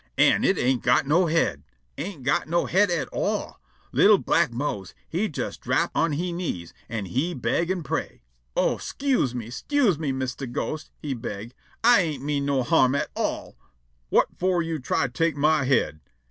An' it ain't got no head. Ain't got no head at all! Li'l' black Mose he jes drap' on he knees an' he beg' an' pray': "Oh, 'scuse me! 'Scuse me, Mistah Ghost!" he beg'. "Ah ain't mean no harm at all." "Whut for you try to take my head?"